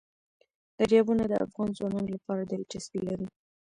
دریابونه د افغان ځوانانو لپاره دلچسپي لري.